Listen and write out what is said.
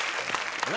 何？